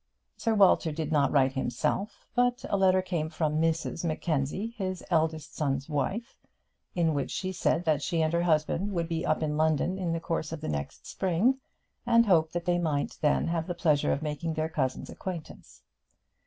Sir Walter did not write himself, but a letter came from Mrs Mackenzie, his eldest son's wife, in which she said that she and her husband would be up in London in the course of the next spring, and hoped that they might then have the pleasure of making their cousin's acquaintance.